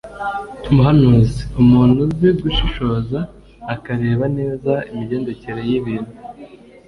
muhanuzi: umuntu uzi gushishoza akareba neza imigendekere y’ibintu